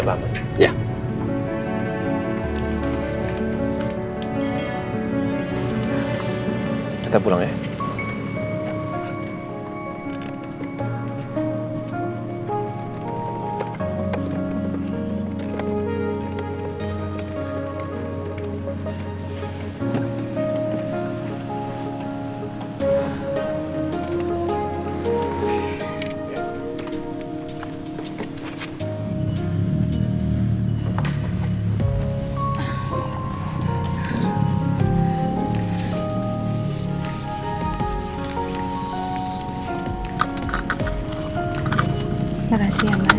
bapak mama pulang dulu ya